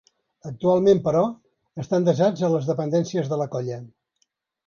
Actualment, però, estan desats a les dependències de la colla.